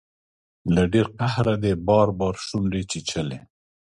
له ډیر قهره دې بار بار شونډې چیچلي